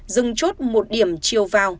dừng chốt một điểm chiều vào